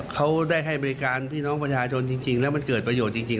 เขาได้ให้บริการพี่น้องประชาชนจริงแล้วมันเกิดประโยชน์จริง